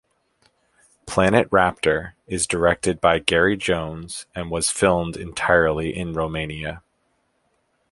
"Planet Raptor" is directed by Gary Jones and was filmed entirely in Romania.